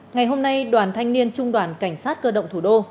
ngày hôm nay đoàn thanh niên trung đoàn cảnh sát cơ động thủ đô